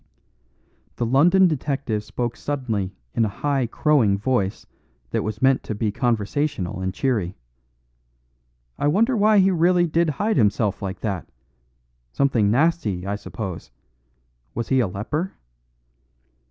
The London detective spoke suddenly in a high crowing voice that was meant to be conversational and cheery. "I wonder why he really did hide himself like that. Something nasty, I suppose; was he a leper?"